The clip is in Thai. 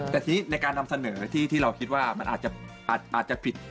แต่ทีนี้ในการนำเสนอที่เราคิดว่ามันอาจจะผิด